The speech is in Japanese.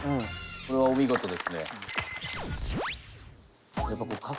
これはお見事ですね。